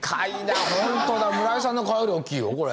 ほんとだ村井さんの顔より大きいよこれ。